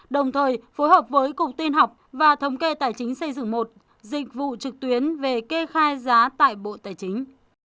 đồng thời phối hợp với cục tin học và thống kê tài chính xây dựng một dịch vụ trực tuyến về kê khai giá tại bộ tài chính